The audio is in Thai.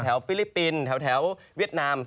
ฟิลิปปินส์แถวเวียดนาม